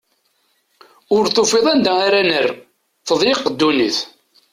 Ur tufiḍ anda ara nerr, teḍyeq ddunit.